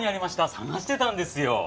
探してたんですよ。